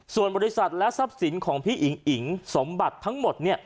ส่วนบริษัทและทรัพย์สินของพี่อิ๋งอิ๋งสมบัติทั้งหมด